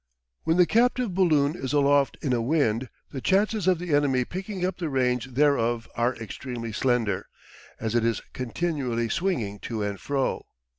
When the captive balloon is aloft in a wind the chances of the enemy picking up the range thereof are extremely slender, as it is continually swinging to and fro.